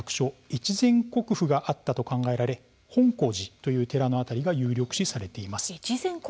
越前国府があったと考えられ本興寺という寺の辺りが有力視されています。